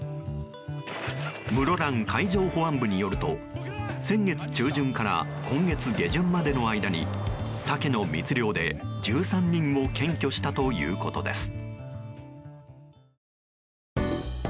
室蘭海上保安部によると先月中旬から今月下旬までの間にサケの密漁で１３人を検挙したということです。